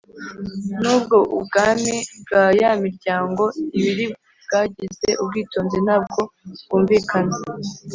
N ubwo ubwami bwa ya miryango ibiri bwagize ubwitonzi ntabwo bwumvikana